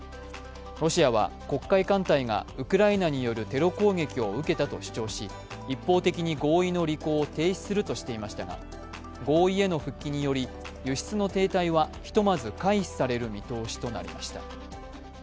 ロシアは、黒海艦隊がウクライナによるテロ攻撃を受けたと主張し一方的に合意の履行を停止するとしていましたが、合意への復帰により、輸出の停滞はひとまず回避される見通しとなりました。